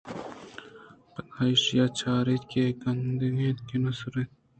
پداایشاں چار اِت اے کدیگین اِنت کہ نہ سُریت